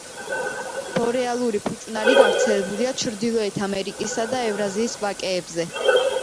ბორეალური ფიჭვნარი გავრცელებულია ჩრდილოეთ ამერიკისა და ევრაზიის ვაკეებზე.